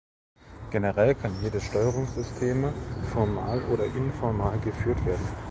Generell kann jedes Steuerungssysteme formal oder informell geführt werden.